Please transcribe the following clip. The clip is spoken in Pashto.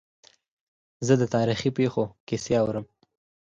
زه د تاریخي پېښو کیسې اورم.